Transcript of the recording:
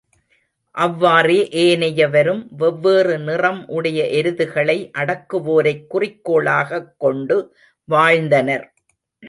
அவ்வாறே ஏனையவரும் வெவ்வேறுநிறம் உடைய எருதுகளை அடக்குவோரைக் குறிக்கோளாகக் கொண்டு வாழ்ந்தனர்.